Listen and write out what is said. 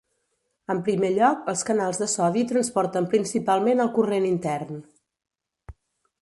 En primer lloc, els canals de sodi transporten principalment el corrent intern.